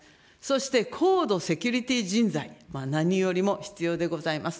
そして、高度セキュリティー人材、何よりも必要でございます。